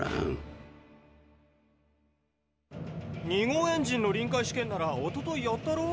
２号エンジンの臨界試験ならおとといやったろ？